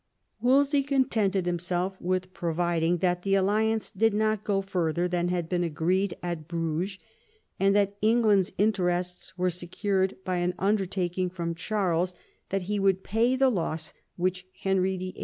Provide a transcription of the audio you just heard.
Wolsey contented 90 THOMAS WOLSEY chap. himself with providing that the alliance did not go further than had been agreed at Bruges, and that Eng land's interests were secured by an undertaking from Charles that he would pay the loss which Henry VIII.